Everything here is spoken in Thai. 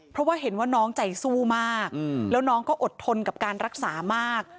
เพราะว่าเห็นว่าน้องใจสู้มากแล้วน้องก็อดทนกับการรักษามาก